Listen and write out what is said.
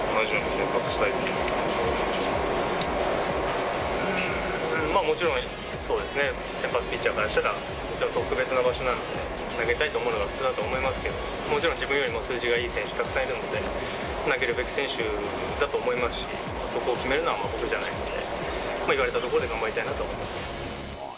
先発ピッチャーからしたら、特別な場所なので、投げたいと思うのが普通だと思いますけど、もちろん、自分よりも数字がいい選手、たくさんいるので、投げるべき選手だと思いますし、そこを決めるのは僕じゃないので、言われたところで頑張りたいなと思います。